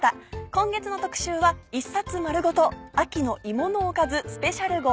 今月の特集は１冊丸ごと秋の芋のおかずスペシャル号。